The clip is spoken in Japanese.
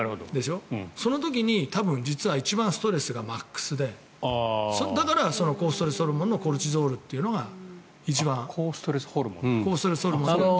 その時に多分、実は一番ストレスがマックスでだから抗ストレスホルモンのコルチゾールというのが抗ストレスホルモン。